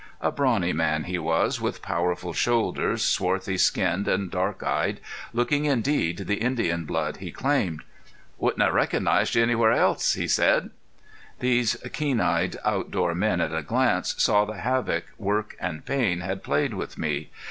A brawny man he was, with powerful shoulders, swarthy skinned, and dark eyed, looking indeed the Indian blood he claimed. "Wouldn't have recognized you anywhere's else," he said. These keen eyed outdoor men at a glance saw the havoc work and pain had played with me.